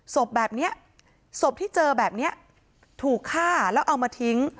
ศพแบบนี้ศพที่เจอแบบนี้ถูกฆ่าแล้วเอามาทิ้ง